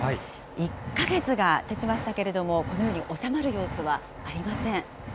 １か月がたちましたけれども、このように収まる様子はありませ